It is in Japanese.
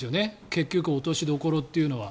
結局、落としどころというのは。